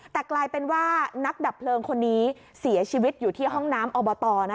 แต่กลายเป็นว่านักดับเพลิงคนนี้เสียชีวิตอยู่ที่ห้องน้ำอบต